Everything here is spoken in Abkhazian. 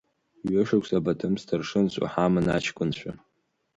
Ҩы-шықәса Баҭым сҭаршынс уҳаман аҷкәынцәа.